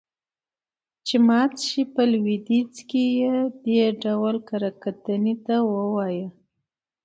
چې مات شي. په لويديځ کې يې دې ډول کره کتنې ته ووايه.